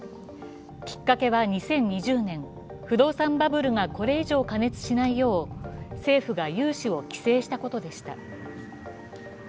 きっかけは２０２０年、不動産バブルがこれ以上過熱しないよう、政府が融資を規制したことでした。